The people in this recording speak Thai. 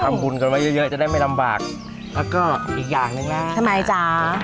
ทำบุญกันไว้เยอะเยอะจะได้ไม่ลำบากแล้วก็อีกอย่างหนึ่งนะทำไมจ๋า